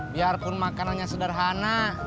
biarpun makanannya sederhana